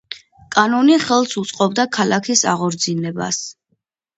კანონი ხელს უწყობდა ქალაქის აღორძინებას.